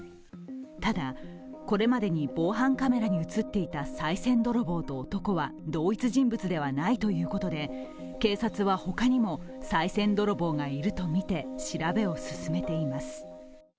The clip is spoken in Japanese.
ただこれまでに防犯カメラに映っていたさい銭泥棒と男は同一人物ではないということで警察はほかにもさい銭泥棒がいるとみて調べを進めています。